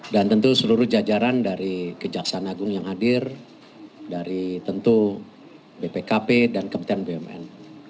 dan tentu seluruh jajaran dari kejaksaan agung yang hadir dari tentu bpkp dan kementerian bumn